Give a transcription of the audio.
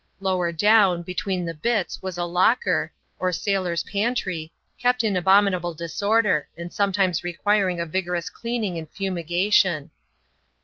Lower down, between the bitts, was a locker, or sailors' pantry, kept in abominable disorder, and sometimes requiring a vigorous cleaning and fumigation.